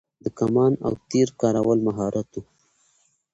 د کمان او تیر کارول مهارت و